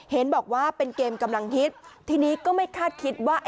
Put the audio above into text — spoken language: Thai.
เห็นบอกว่าเป็นเกมกำลังฮิตทีนี้ก็ไม่คาดคิดว่า